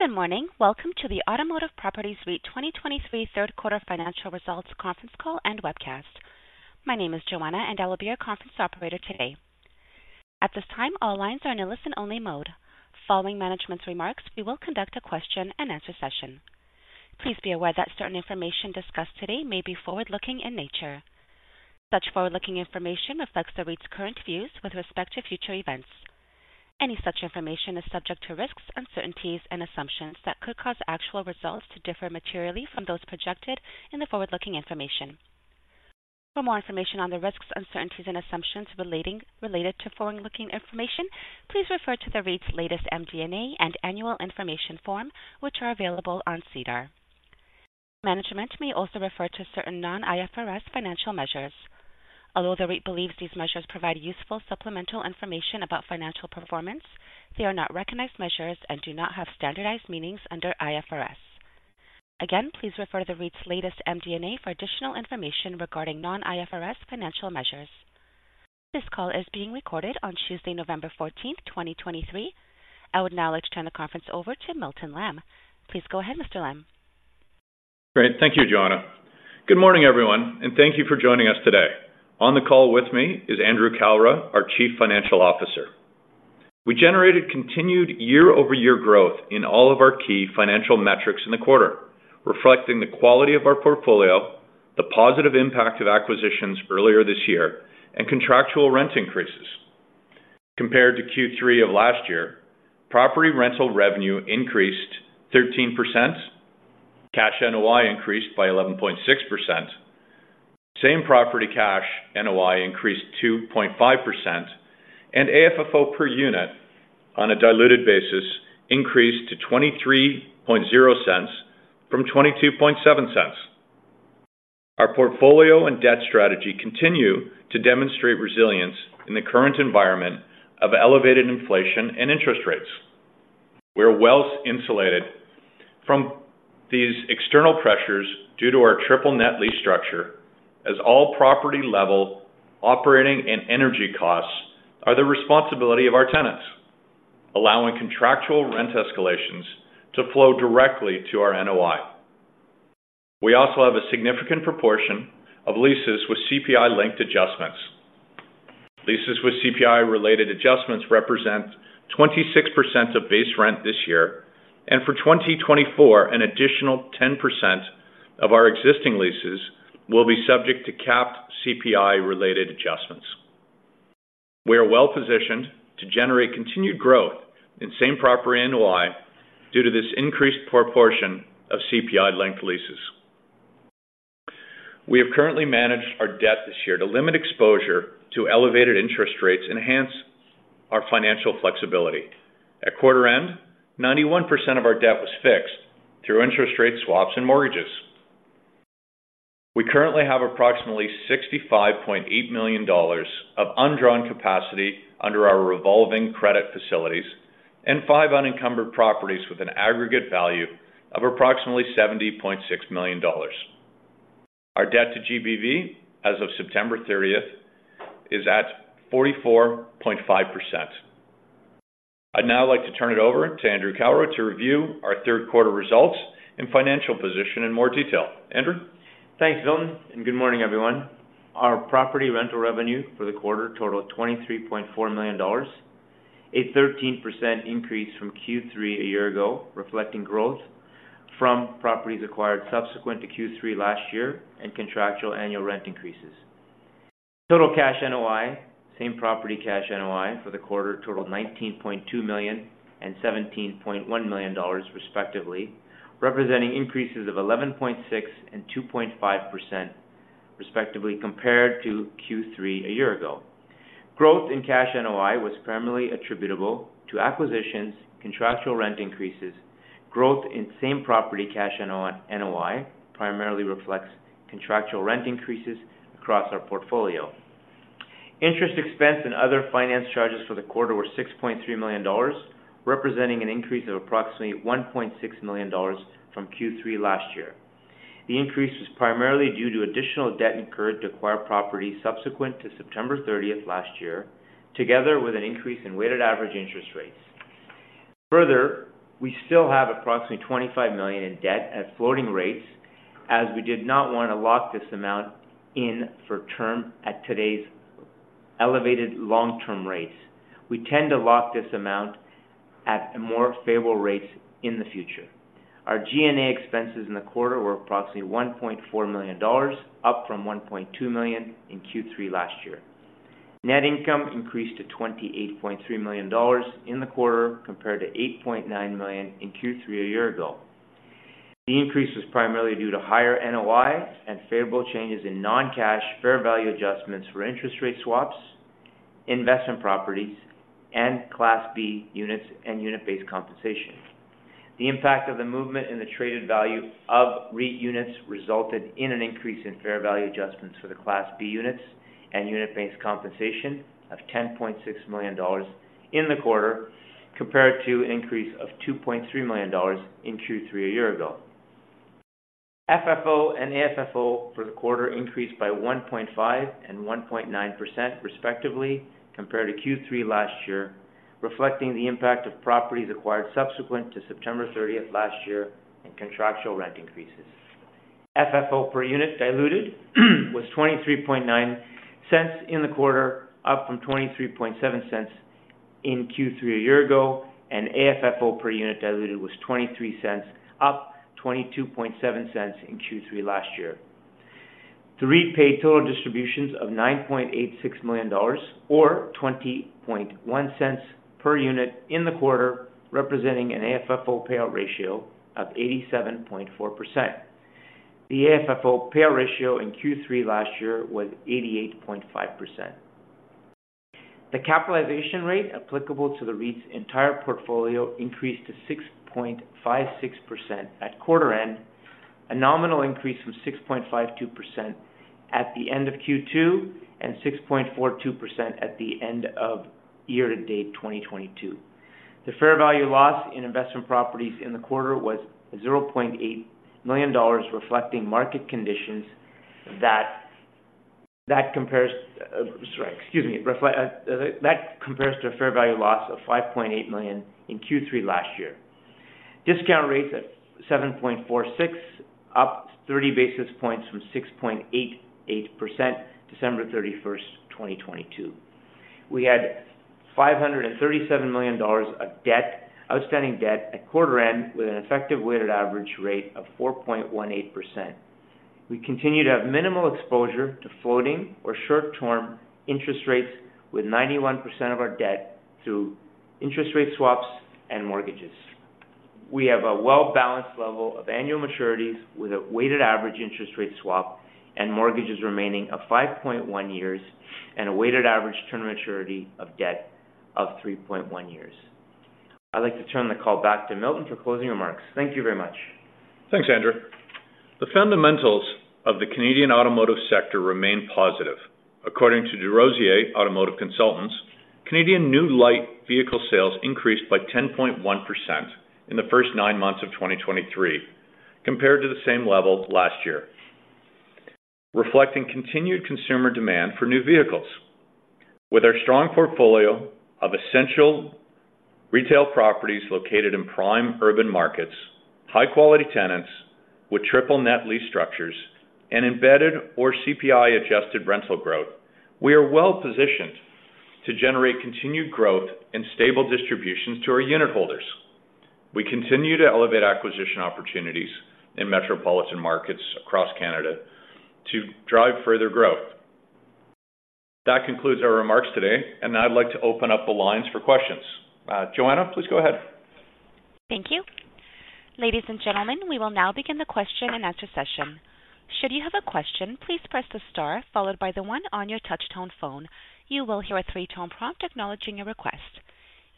Good morning. Welcome to the Automotive Properties REIT 2023 third quarter financial results conference call and webcast. My name is Joanna, and I will be your conference operator today. At this time, all lines are in a listen-only mode. Following management's remarks, we will conduct a question-and-answer session. Please be aware that certain information discussed today may be forward-looking in nature. Such forward-looking information reflects the REIT's current views with respect to future events. Any such information is subject to risks, uncertainties, and assumptions that could cause actual results to differ materially from those projected in the forward-looking information. For more information on the risks, uncertainties, and assumptions related to forward-looking information, please refer to the REIT's latest MD&A and Annual Information Form, which are available on SEDAR. Management may also refer to certain non-IFRS financial measures. Although the REIT believes these measures provide useful supplemental information about financial performance, they are not recognized measures and do not have standardized meanings under IFRS. Again, please refer to the REIT's latest MD&A for additional information regarding non-IFRS financial measures. This call is being recorded on Tuesday, November 14, 2023. I would now like to turn the conference over to Milton Lamb. Please go ahead, Mr. Lamb. Great. Thank you, Joanna. Good morning, everyone, and thank you for joining us today. On the call with me is Andrew Kalra, our Chief Financial Officer. We generated continued year-over-year growth in all of our key financial metrics in the quarter, reflecting the quality of our portfolio, the positive impact of acquisitions earlier this year, and contractual rent increases. Compared to Q3 of last year, property rental revenue increased 13%, cash NOI increased by 11.6%, same property cash NOI increased 2.5%, and AFFO per unit on a diluted basis increased to 0.230 from 0.227. Our portfolio and debt strategy continue to demonstrate resilience in the current environment of elevated inflation and interest rates. We are well insulated from these external pressures due to our Triple Net Lease structure, as all property-level operating and energy costs are the responsibility of our tenants, allowing contractual rent escalations to flow directly to our NOI. We also have a significant proportion of leases with CPI-linked adjustments. Leases with CPI-related adjustments represent 26% of base rent this year, and for 2024, an additional 10% of our existing leases will be subject to capped CPI-related adjustments. We are well-positioned to generate continued growth in same property NOI due to this increased proportion of CPI-linked leases. We have currently managed our debt this year to limit exposure to elevated interest rates and enhance our financial flexibility. At quarter end, 91% of our debt was fixed through interest rate swaps and mortgages. We currently have approximately 65.8 million dollars of undrawn capacity under our revolving credit facilities and 5 unencumbered properties with an aggregate value of approximately 70.6 million dollars. Our debt to GBV as of September 30 is at 44.5%. I'd now like to turn it over to Andrew Kalra to review our third quarter results and financial position in more detail. Andrew? Thanks, Milton, and good morning, everyone. Our property rental revenue for the quarter totaled 23.4 million dollars, a 13% increase from Q3 a year ago, reflecting growth from properties acquired subsequent to Q3 last year and contractual annual rent increases. Total cash NOI, same property cash NOI for the quarter totaled 19.2 million and 17.1 million dollars, respectively, representing increases of 11.6% and 2.5%, respectively, compared to Q3 a year ago. Growth in cash NOI was primarily attributable to acquisitions, contractual rent increases. Growth in same property cash NOI, NOI primarily reflects contractual rent increases across our portfolio. Interest expense and other finance charges for the quarter were 6.3 million dollars, representing an increase of approximately 1.6 million dollars from Q3 last year. The increase was primarily due to additional debt incurred to acquire property subsequent to September 30th last year, together with an increase in weighted average interest rates. Further, we still have approximately 25 million in debt at floating rates, as we did not want to lock this amount in for term at today's elevated long-term rates. We tend to lock this amount at more favorable rates in the future. Our G&A expenses in the quarter were approximately 1.4 million dollars, up from 1.2 million in Q3 last year. Net income increased to 28.3 million dollars in the quarter, compared to 8.9 million in Q3 a year ago. The increase was primarily due to higher NOI and favorable changes in non-cash fair value adjustments for interest rate swaps, investment properties, and Class B units and unit-based compensation. The impact of the movement in the traded value of REIT units resulted in an increase in fair value adjustments for the Class B units and unit-based compensation of 10.6 million dollars in the quarter, compared to an increase of 2.3 million dollars in Q3 a year ago... FFO and AFFO for the quarter increased by 1.5% and 1.9%, respectively, compared to Q3 last year, reflecting the impact of properties acquired subsequent to September 30th last year, and contractual rent increases. FFO per unit diluted was 0.239 in the quarter, up from 0.237 in Q3 a year ago, and AFFO per unit diluted was 0.23, up 0.227 in Q3 last year. The REIT paid total distributions of 9.86 million dollars, or 0.201 per unit in the quarter, representing an AFFO payout ratio of 87.4%. The AFFO payout ratio in Q3 last year was 88.5%. The capitalization rate applicable to the REIT's entire portfolio increased to 6.56% at quarter end, a nominal increase from 6.52% at the end of Q2, and 6.42% at the end of year-to-date 2022. The fair value loss in investment properties in the quarter was 0.8 million dollars, reflecting market conditions that compares to a fair value loss of 5.8 million in Q3 last year. Discount rates at 7.46%, up 30 basis points from 6.88%, December 31, 2022. We had 537 million dollars of debt, outstanding debt at quarter end, with an effective weighted average rate of 4.18%. We continue to have minimal exposure to floating or short-term interest rates, with 91% of our debt through interest rate swaps and mortgages. We have a well-balanced level of annual maturities, with a weighted average interest rate swap and mortgages remaining of 5.1 years, and a weighted average term maturity of debt of 3.1 years. I'd like to turn the call back to Milton for closing remarks. Thank you very much. Thanks, Andrew. The fundamentals of the Canadian automotive sector remain positive. According to DesRosiers Automotive Consultants, Canadian new light vehicle sales increased by 10.1% in the first nine months of 2023, compared to the same level last year, reflecting continued consumer demand for new vehicles. With our strong portfolio of essential retail properties located in prime urban markets, high quality tenants with triple net lease structures and embedded or CPI-adjusted rental growth, we are well-positioned to generate continued growth and stable distributions to our unitholders. We continue to elevate acquisition opportunities in metropolitan markets across Canada to drive further growth. That concludes our remarks today, and I'd like to open up the lines for questions. Joanna, please go ahead. Thank you. Ladies and gentlemen, we will now begin the question and answer session. Should you have a question, please press the star followed by the one on your touchtone phone. You will hear a three-tone prompt acknowledging your request.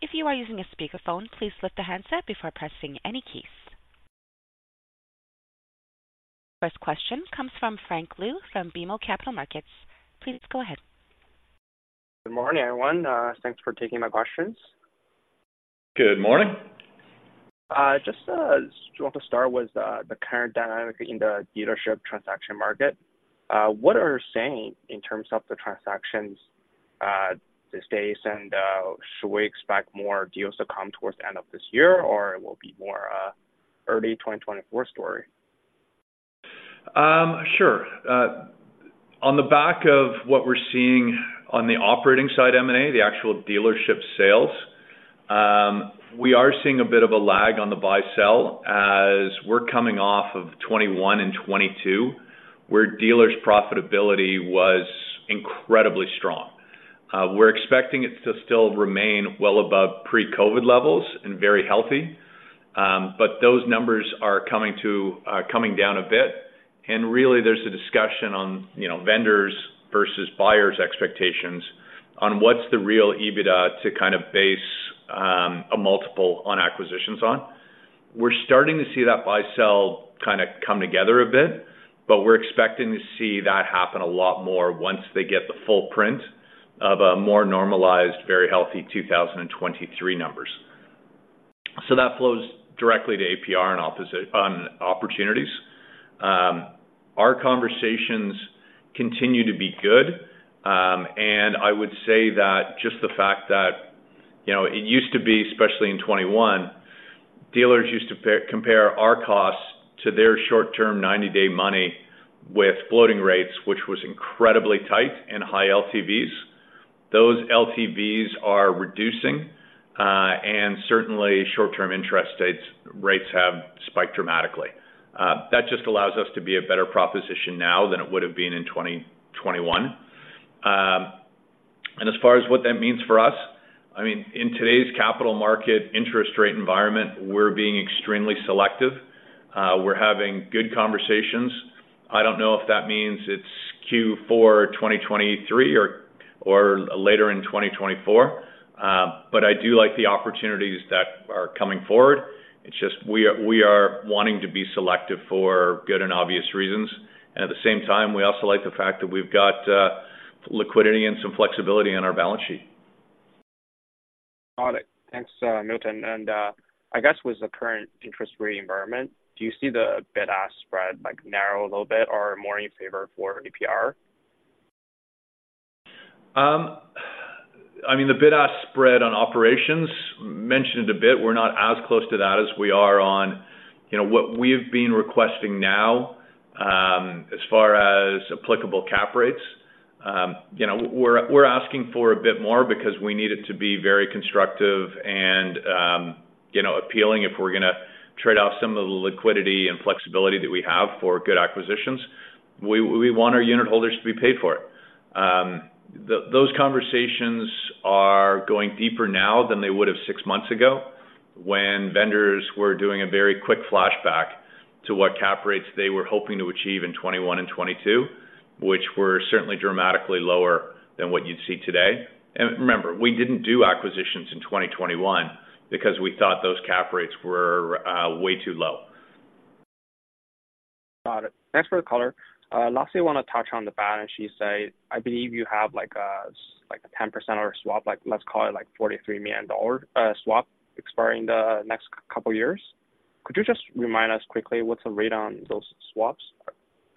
If you are using a speakerphone, please lift the handset before pressing any keys. First question comes from Frank Liu from BMO Capital Markets. Please go ahead. Good morning, everyone, thanks for taking my questions. Good morning. Just, do you want to start with the current dynamic in the dealership transaction market? What are you saying in terms of the transactions these days? And, should we expect more deals to come towards the end of this year, or it will be more early 2024 story? Sure. On the back of what we're seeing on the operating side, M&A, the actual dealership sales, we are seeing a bit of a lag on the buy/sell as we're coming off of 2021 and 2022, where dealers' profitability was incredibly strong. We're expecting it to still remain well above pre-COVID levels and very healthy. But those numbers are coming down a bit, and really, there's a discussion on, you know, vendors versus buyers' expectations on what's the real EBITDA to kind of base a multiple on acquisitions on. We're starting to see that buy/sell kind of come together a bit, but we're expecting to see that happen a lot more once they get the full print of a more normalized, very healthy 2023 numbers. So that flows directly to APR on opportunities. Our conversations continue to be good, and I would say that just the fact that, you know, it used to be, especially in 2021, dealers used to compare our costs to their short-term 90-day money with floating rates, which was incredibly tight and high LTVs. Those LTVs are reducing, and certainly, short-term interest rates have spiked dramatically. That just allows us to be a better proposition now than it would have been in 2021. And as far as what that means for us, I mean, in today's capital market interest rate environment, we're being extremely selective. We're having good conversations. I don't know if that means it's Q4 2023 or later in 2024, but I do like the opportunities that are coming forward. It's just we are, we are wanting to be selective for good and obvious reasons. And at the same time, we also like the fact that we've got, liquidity and some flexibility on our balance sheet.... Got it. Thanks, Milton. And, I guess with the current interest rate environment, do you see the bid-ask spread, like, narrow a little bit or more in favor for APR? I mean, the bid-ask spread on operations, mentioned a bit, we're not as close to that as we are on, you know, what we've been requesting now. As far as applicable cap rates, you know, we're asking for a bit more because we need it to be very constructive and, you know, appealing if we're gonna trade off some of the liquidity and flexibility that we have for good acquisitions. We want our unitholders to be paid for it. Those conversations are going deeper now than they would have six months ago, when vendors were doing a very quick flashback to what cap rates they were hoping to achieve in 2021 and 2022, which were certainly dramatically lower than what you'd see today. And remember, we didn't do acquisitions in 2021 because we thought those cap rates were way too low. Got it. Thanks for the color. Lastly, I wanna touch on the balance sheet side. I believe you have, like, a, like, a 10% swap, like, let's call it, like, 43 million dollar swap expiring the next couple years. Could you just remind us quickly, what's the rate on those swaps?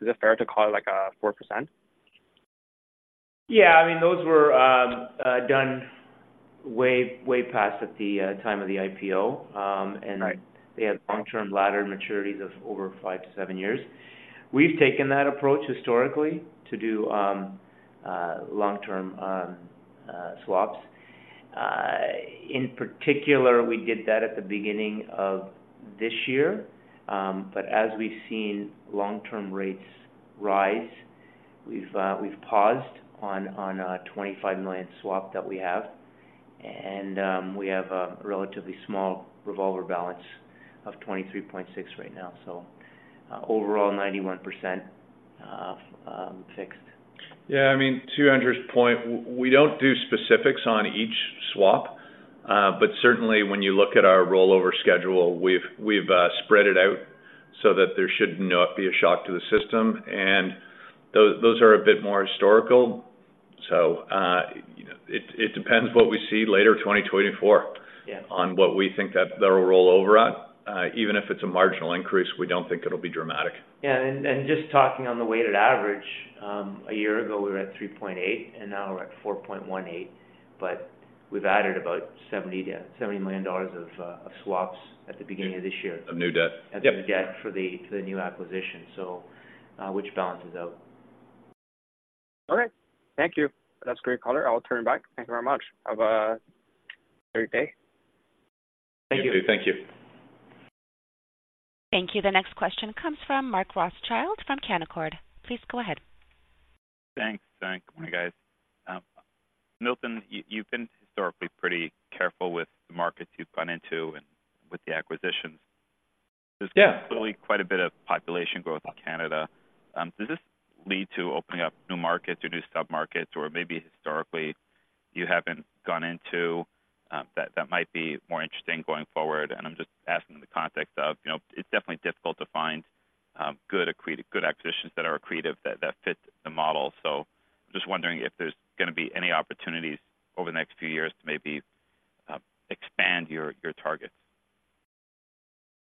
Is it fair to call it, like, 4%? Yeah, I mean, those were done way, way past at the time of the IPO. And- Right. They had long-term ladder maturities of over 5-7 years. We've taken that approach historically to do long-term swaps. In particular, we did that at the beginning of this year. But as we've seen long-term rates rise, we've paused on a 25 million swap that we have, and we have a relatively small revolver balance of 23.6 right now, so overall, 91% fixed. Yeah, I mean, to Andrew's point, we don't do specifics on each swap, but certainly, when you look at our rollover schedule, we've spread it out so that there should not be a shock to the system, and those are a bit more historical. So, it depends what we see later, 2024- Yeah on what we think that they'll roll over at. Even if it's a marginal increase, we don't think it'll be dramatic. Yeah, and just talking on the weighted average, a year ago, we were at 3.8, and now we're at 4.18, but we've added about 70 million-70 million dollars of swaps at the beginning of this year. Of new debt. Of new debt for the new acquisition, so, which balances out. All right. Thank you. That's great color. I'll turn back. Thank you very much. Have a great day. Thank you. Thank you. Thank you. The next question comes from Mark Rothschild from Canaccord. Please go ahead. Thanks. Thanks, good morning, guys. Milton, you've been historically pretty careful with the markets you've gone into and with the acquisitions. Yeah. There's been absolutely quite a bit of population growth in Canada. Does this lead to opening up new markets or new submarkets, or maybe historically you haven't gone into that that might be more interesting going forward? And I'm just asking in the context of, you know, it's definitely difficult to find good accreted-- good acquisitions that are accretive, that fit the model. So just wondering if there's gonna be any opportunities over the next few years to maybe expand your targets.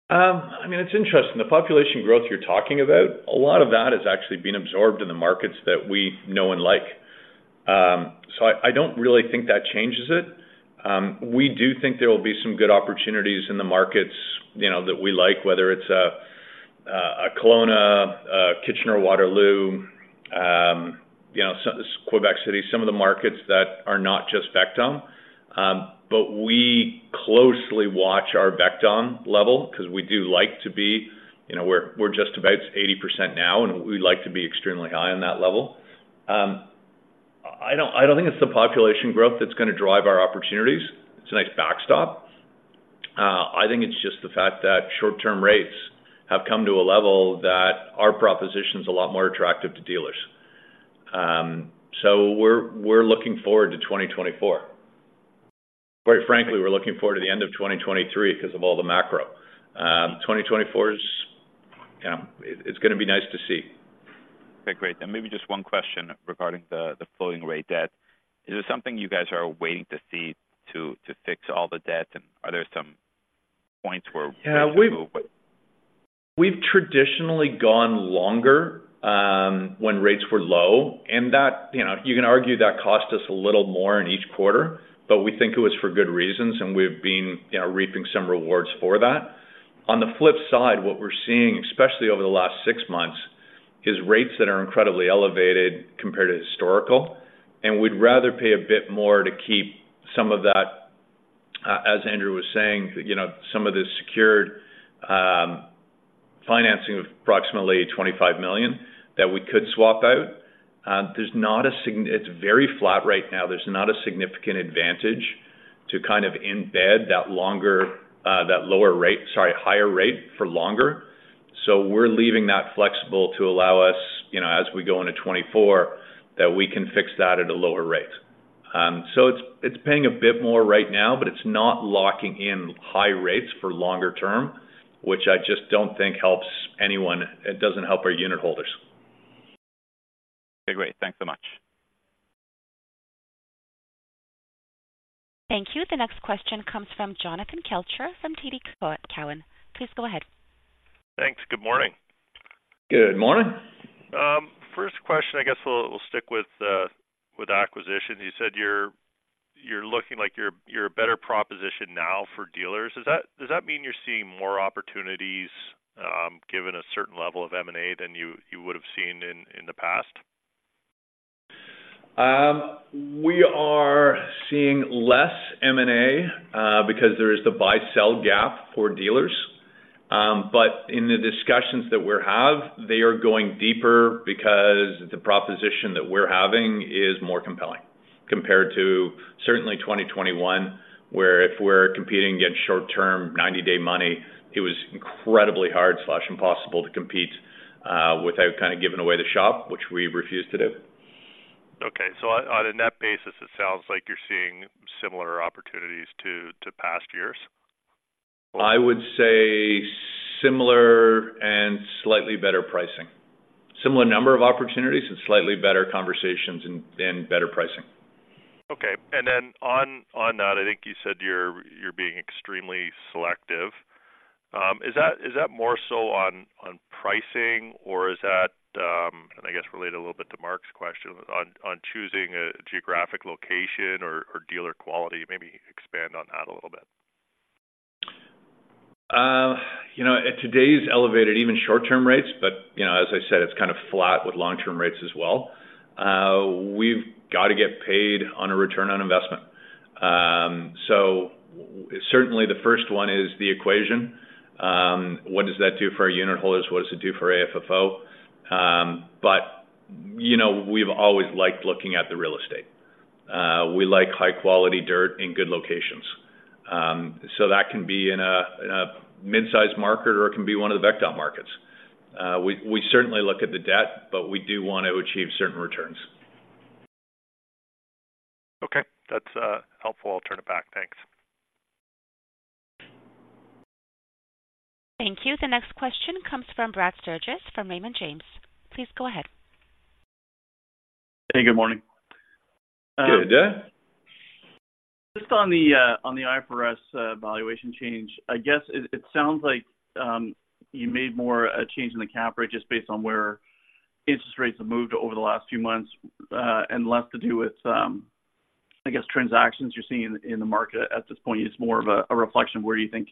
I mean, it's interesting. The population growth you're talking about, a lot of that has actually been absorbed in the markets that we know and like. So I don't really think that changes it. We do think there will be some good opportunities in the markets, you know, that we like, whether it's Kelowna, Kitchener-Waterloo, you know, Quebec City, some of the markets that are not just Vancouver. But we closely watch our Vancouver level because we do like to be, you know... We're just about 80% now, and we'd like to be extremely high on that level. I don't think it's the population growth that's gonna drive our opportunities. It's a nice backstop. I think it's just the fact that short-term rates have come to a level that our proposition is a lot more attractive to dealers. So we're looking forward to 2024. Quite frankly, we're looking forward to the end of 2023 because of all the macro. 2024 is, it's gonna be nice to see. Okay, great. Maybe just one question regarding the floating rate debt. Is this something you guys are waiting to see to fix all the debt, and are there some points where- Yeah, we- - You move with? We've traditionally gone longer when rates were low, and that, you know, you can argue that cost us a little more in each quarter, but we think it was for good reasons, and we've been, you know, reaping some rewards for that. On the flip side, what we're seeing, especially over the last six months, is rates that are incredibly elevated compared to historical. We'd rather pay a bit more to keep some of that, as Andrew was saying, you know, some of this secured financing of approximately 25 million that we could swap out. It's very flat right now. There's not a significant advantage to kind of embed that longer, that lower rate, sorry, higher rate for longer. So we're leaving that flexible to allow us, you know, as we go into 2024, that we can fix that at a lower rate. So it's, it's paying a bit more right now, but it's not locking in high rates for longer term, which I just don't think helps anyone. It doesn't help our unit holders.... Okay, great. Thanks so much. Thank you. The next question comes from Jonathan Kelcher from TD Cowen. Please go ahead. Thanks. Good morning. Good morning. First question, I guess we'll stick with acquisitions. You said you're looking like you're a better proposition now for dealers. Does that mean you're seeing more opportunities given a certain level of M&A than you would have seen in the past? We are seeing less M&A, because there is the buy-sell gap for dealers. But in the discussions that we have, they are going deeper because the proposition that we're having is more compelling compared to certainly 2021, where if we're competing against short-term 90-day money, it was incredibly hard, impossible to compete, without kind of giving away the shop, which we refuse to do. Okay. So on a net basis, it sounds like you're seeing similar opportunities to past years? I would say similar and slightly better pricing. Similar number of opportunities and slightly better conversations and better pricing. Okay. And then on that, I think you said you're being extremely selective. Is that more so on pricing, or is that and I guess related a little bit to Mark's question on choosing a geographic location or dealer quality? Maybe expand on that a little bit. You know, at today's elevated, even short-term rates, but, you know, as I said, it's kind of flat with long-term rates as well. We've got to get paid on a return on investment. So certainly the first one is the equation. What does that do for our unitholders? What does it do for AFFO? But, you know, we've always liked looking at the real estate. We like high-quality dirt in good locations. So that can be in a, in a mid-sized market, or it can be one of the vector markets. We certainly look at the debt, but we do want to achieve certain returns. Okay. That's helpful. I'll turn it back. Thanks. Thank you. The next question comes from Brad Sturges from Raymond James. Please go ahead. Hey, good morning. Good day. Just on the IFRS valuation change, I guess it sounds like you made more a change in the cap rate just based on where interest rates have moved over the last few months, and less to do with, I guess, transactions you're seeing in the market at this point. It's more of a reflection of where you think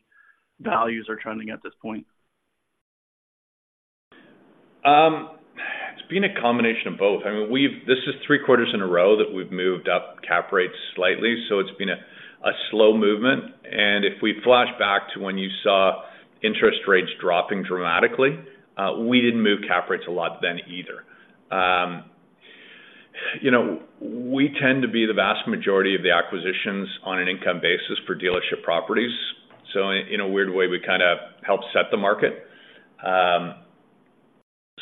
values are trending at this point. It's been a combination of both. I mean, we've this is 3 quarters in a row that we've moved up cap rates slightly, so it's been a slow movement, and if we flash back to when you saw interest rates dropping dramatically, we didn't move cap rates a lot then either. You know, we tend to be the vast majority of the acquisitions on an income basis for dealership properties, so in a weird way, we kinda help set the market.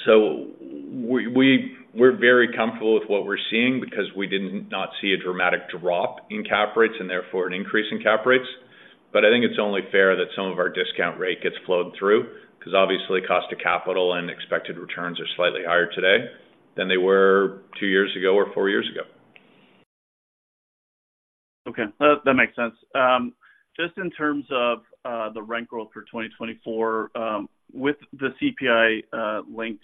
So we're very comfortable with what we're seeing because we didn't not see a dramatic drop in cap rates and therefore an increase in cap rates. I think it's only fair that some of our discount rate gets flowed through, because obviously, cost of capital and expected returns are slightly higher today than they were 2 years ago or 4 years ago. Okay, that makes sense. Just in terms of the rent growth for 2024, with the CPI-linked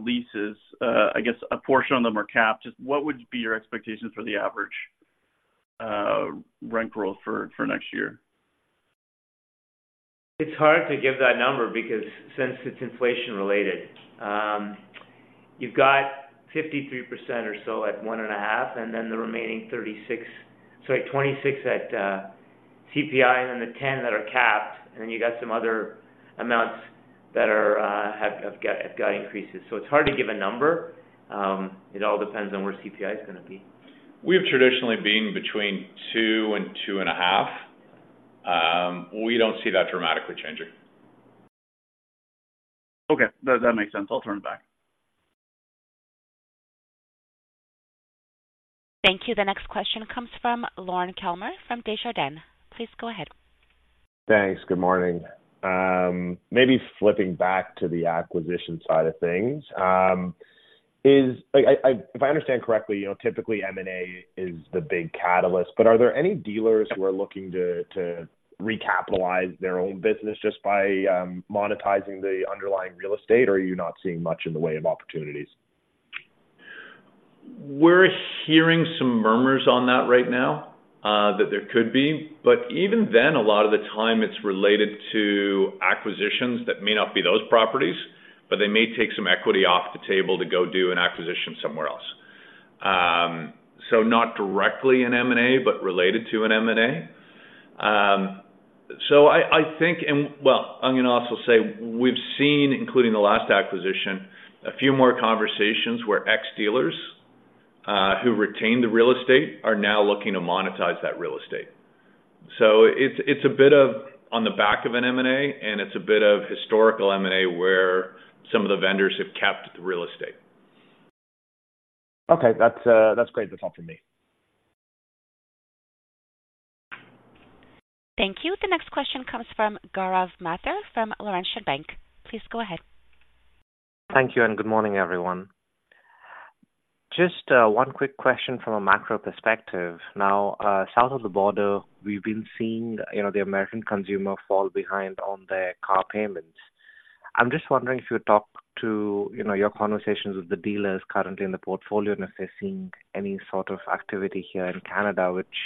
leases, I guess a portion of them are capped. Just what would be your expectations for the average rent growth for next year? It's hard to give that number because since it's inflation-related, you've got 53% or so at 1.5, and then the remaining 26 at CPI and then the 10 that are capped, and then you got some other amounts that have got increases. So it's hard to give a number. It all depends on where CPI is gonna be. We have traditionally been between 2 and 2.5. We don't see that dramatically changing. Okay, that makes sense. I'll turn it back. Thank you. The next question comes from Lorne Kalmar, from Desjardins. Please go ahead. Thanks. Good morning. Maybe flipping back to the acquisition side of things, like, if I understand correctly, you know, typically M&A is the big catalyst, but are there any dealers who are looking to recapitalize their own business just by monetizing the underlying real estate, or are you not seeing much in the way of opportunities? We're hearing some murmurs on that right now, that there could be, but even then, a lot of the time it's related to acquisitions that may not be those properties, but they may take some equity off the table to go do an acquisition somewhere else. So not directly an M&A, but related to an M&A. So I, I think, and well, I'm going to also say we've seen, including the last acquisition, a few more conversations where ex-dealers, who retained the real estate, are now looking to monetize that real estate. So it's, it's a bit of on the back of an M&A, and it's a bit of historical M&A, where some of the vendors have kept the real estate. Okay. That's, that's great. That's all for me. Thank you. The next question comes from Gaurav Mathur from Laurentian Bank. Please go ahead. Thank you and good morning, everyone. Just, one quick question from a macro perspective. Now, south of the border, we've been seeing, you know, the American consumer fall behind on their car payments. I'm just wondering if you talk to, you know, your conversations with the dealers currently in the portfolio and if they're seeing any sort of activity here in Canada, which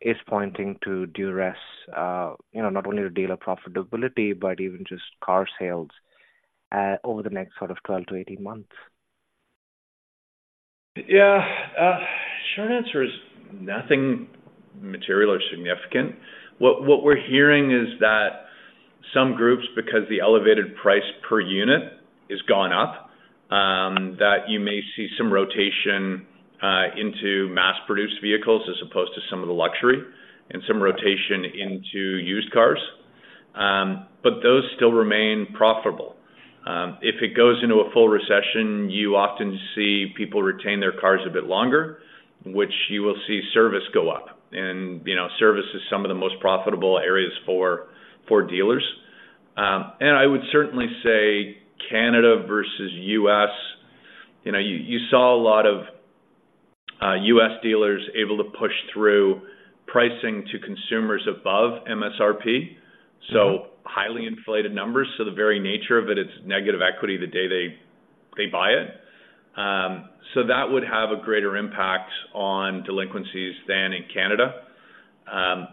is pointing to duress, you know, not only the dealer profitability, but even just car sales, over the next sort of 12-18 months. Yeah, short answer is nothing material or significant. What we're hearing is that some groups, because the elevated price per unit has gone up, that you may see some rotation into mass-produced vehicles as opposed to some of the luxury and some rotation into used cars. But those still remain profitable. If it goes into a full recession, you often see people retain their cars a bit longer, which you will see service go up. You know, service is some of the most profitable areas for dealers. I would certainly say Canada versus U.S. You know, you saw a lot of U.S. dealers able to push through pricing to consumers above MSRP, so highly inflated numbers. So the very nature of it, it's negative equity the day they buy it. So that would have a greater impact on delinquencies than in Canada.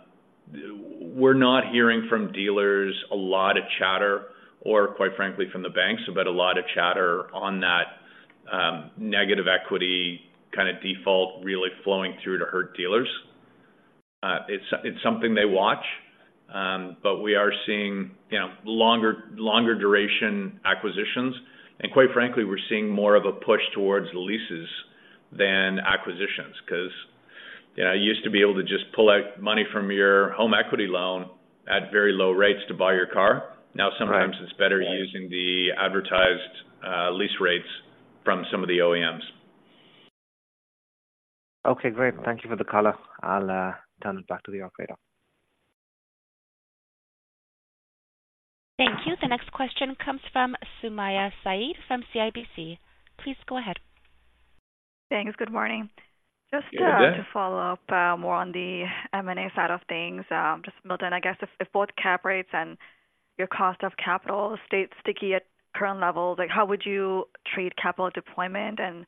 We're not hearing from dealers a lot of chatter, or quite frankly, from the banks, about a lot of chatter on that, negative equity kind of default really flowing through to hurt dealers. It's something they watch, but we are seeing, you know, longer, longer duration acquisitions. And quite frankly, we're seeing more of a push towards leases than acquisitions, 'cause, you know, you used to be able to just pull out money from your home equity loan at very low rates to buy your car. Right. Now, sometimes it's better using the advertised lease rates from some of the OEMs. Okay, great. Thank you for the color. I'll turn it back to the operator. Thank you. The next question comes from Sumayya Syed from CIBC. Please go ahead. Thanks. Good morning. Good day. Just to follow up more on the M&A side of things, just Milton, I guess if, if both cap rates and your cost of capital stay sticky at current levels, like, how would you treat capital deployment, and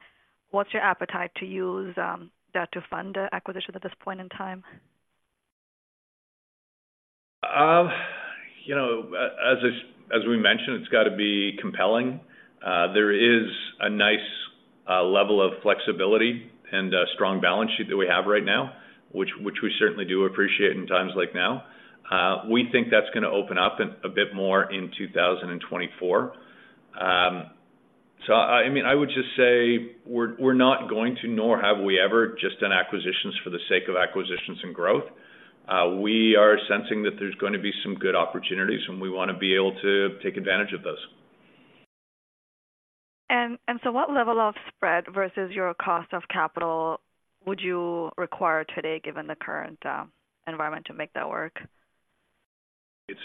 what's your appetite to use that to fund the acquisition at this point in time? You know, as we mentioned, it's got to be compelling. There is a nice level of flexibility and a strong balance sheet that we have right now, which we certainly do appreciate in times like now. We think that's gonna open up in a bit more in 2024. So, I mean, I would just say we're not going to, nor have we ever, just done acquisitions for the sake of acquisitions and growth. We are sensing that there's going to be some good opportunities, and we want to be able to take advantage of those. What level of spread versus your cost of capital would you require today, given the current environment to make that work? It's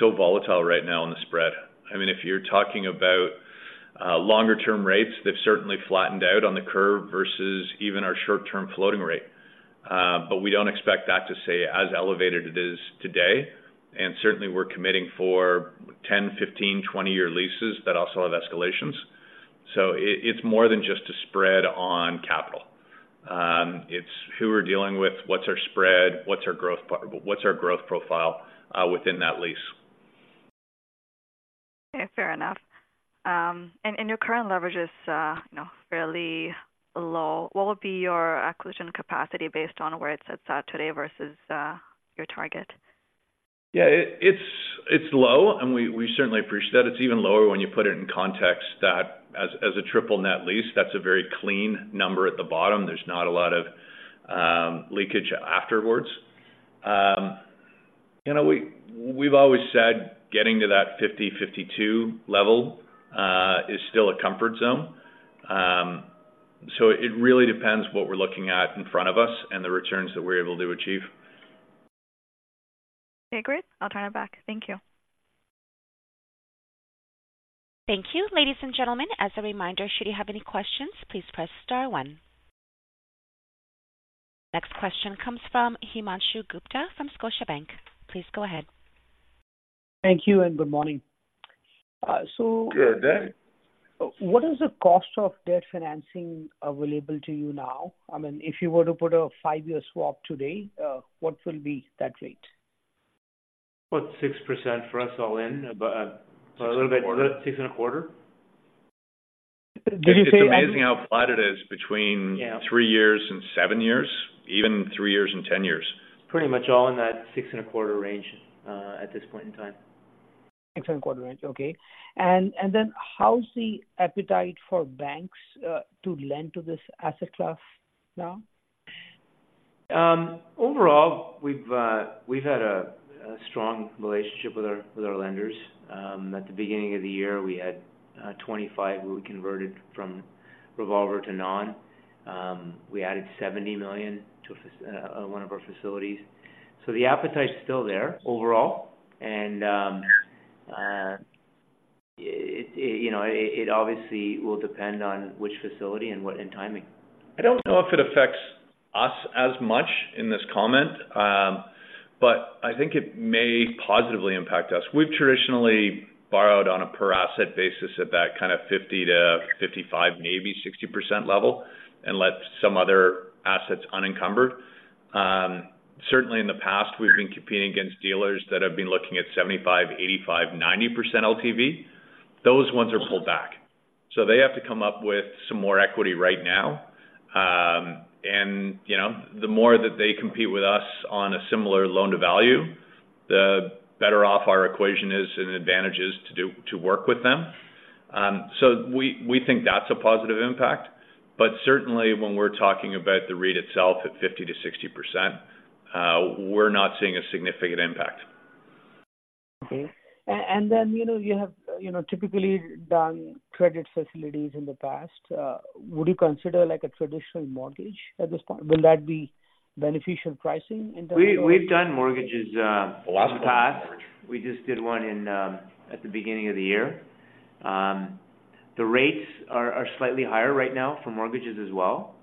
so volatile right now in the spread. I mean, if you're talking about longer-term rates, they've certainly flattened out on the curve versus even our short-term floating rate. But we don't expect that to stay as elevated it is today. And certainly we're committing for 10-, 15-, 20-year leases that also have escalations. So it's more than just a spread on capital. It's who we're dealing with, what's our spread, what's our growth profile within that lease? Okay, fair enough. And your current leverage is, you know, fairly low. What would be your acquisition capacity based on where it sits at today versus your target? Yeah, it's low, and we certainly appreciate it. It's even lower when you put it in context that as a Triple Net Lease, that's a very clean number at the bottom. There's not a lot of leakage afterwards. You know, we've always said getting to that 50-52 level is still a comfort zone. So it really depends what we're looking at in front of us and the returns that we're able to achieve. Okay, great. I'll turn it back. Thank you. Thank you. Ladies and gentlemen, as a reminder, should you have any questions, please press star one. Next question comes from Himanshu Gupta from Scotiabank. Please go ahead. Thank you and good morning. Good day. What is the cost of debt financing available to you now? I mean, if you were to put a five-year swap today, what will be that rate? About 6% for us all in, but, a little bit- 6.25. 6.25? Did you say- It's amazing how flat it is between- Yeah. -3 years and 7 years, even 3 years and 10 years. Pretty much all in that 6.25 range at this point in time. 6.25% range. Okay. And then how's the appetite for banks to lend to this asset class now? Overall, we've had a strong relationship with our lenders. At the beginning of the year, we had 25 we converted from-... revolver to non. We added 70 million to a one of our facilities. So the appetite is still there overall, and, you know, it obviously will depend on which facility and what-- and timing. I don't know if it affects us as much in this comment, but I think it may positively impact us. We've traditionally borrowed on a per asset basis at that kind of 50%-55%, maybe 60% level, and left some other assets unencumbered. Certainly in the past, we've been competing against dealers that have been looking at 75%, 85%, 90% LTV. Those ones are pulled back, so they have to come up with some more equity right now. And, you know, the more that they compete with us on a similar loan-to-value, the better off our equation is and advantages to work with them. So we think that's a positive impact. But certainly, when we're talking about the REIT itself at 50%-60%, we're not seeing a significant impact. Okay. And then, you know, you have, you know, typically done credit facilities in the past. Would you consider, like, a traditional mortgage at this point? Will that be beneficial pricing in terms of- We, we've done mortgages, in the past. The last one was a mortgage. We just did one in at the beginning of the year. The rates are slightly higher right now for mortgages as well,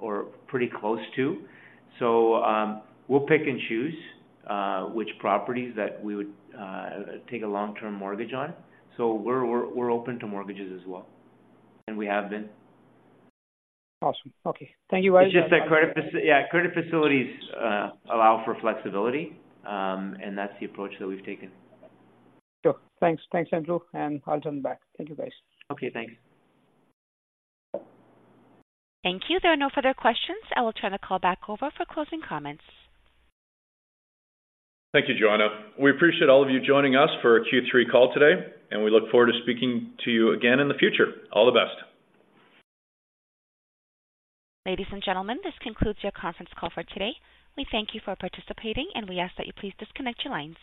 or pretty close to. So, we'll pick and choose which properties that we would take a long-term mortgage on. So we're open to mortgages as well, and we have been. Awesome. Okay. Thank you, guys- It's just that credit facilities allow for flexibility, and that's the approach that we've taken. Sure. Thanks. Thanks, Andrew, and I'll turn back. Thank you, guys. Okay, thanks. Thank you. There are no further questions. I will turn the call back over for closing comments. Thank you, Joanna. We appreciate all of you joining us for our Q3 call today, and we look forward to speaking to you again in the future. All the best. Ladies and gentlemen, this concludes your conference call for today. We thank you for participating, and we ask that you please disconnect your lines.